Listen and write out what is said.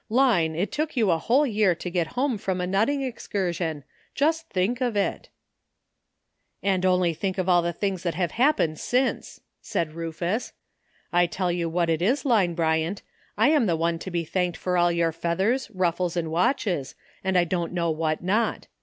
"Line, it took you a whole year to get home from a nutting excursion ; just think of it!" '' And only think of all the things that have happened since," said Rufus. "I tell you what it is. Line Bryant, I am the one to be thanked for all your feathers, ruffles and watches, and I don't know what not.